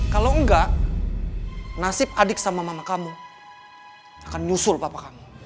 kalau enggak nasib adik sama mama kamu akan nyusul bapak kamu